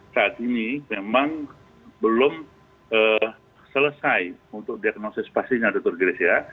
saat ini memang belum selesai untuk diagnosis pasiennya dr gresya